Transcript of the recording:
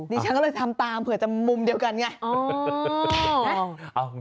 ฉันก็เลยทำตามเผื่อจะมุมเดียวกันไง